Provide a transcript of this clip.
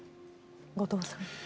後藤さん。